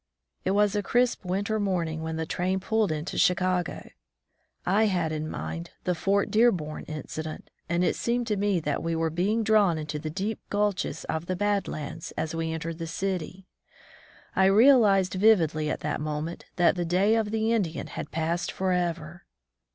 It was a crisp winter morning when the train pulled into Chicago. I had in mind the Fort Dearborn incident, and it seemed to me that we were being drawn into the deep gulches of the Bad Lands as we entered the city. I realized vividly at that moment that the day of the Indian had passed forever.